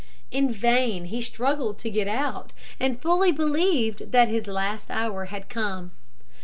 In vain he struggled to get out, and fully believed that his last hour had come.